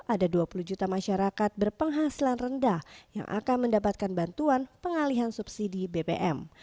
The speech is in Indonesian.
ada dua puluh juta masyarakat berpenghasilan rendah yang akan mendapatkan bantuan pengalihan subsidi bbm